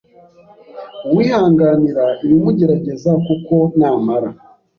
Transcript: uwihanganira ibimugerageza kuko namara